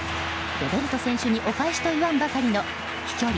ロベルト選手にお返しと言わんばかりの飛距離